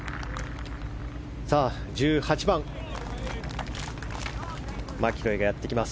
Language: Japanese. １８番マキロイがやってきます。